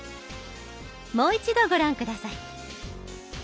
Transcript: もう一度ご覧下さい。